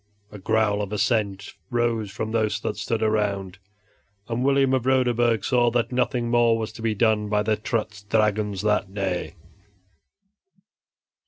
A growl of assent rose from those that stood around, and William of Roderburg saw that nothing more was to be done by the Trutz Dragons that day.